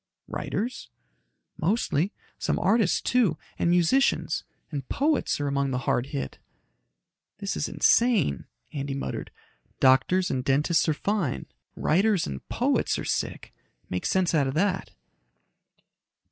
"Writers?" "Mostly. Some artists, too, and musicians. And poets are among the hard hit." "This is insane," Andy muttered. "Doctors and dentists are fine writers and poets are sick. Make sense out of that."